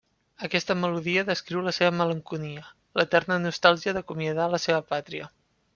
Aquesta melodia descriu la seva malenconia, l'eterna nostàlgia d'acomiadar a la seva pàtria.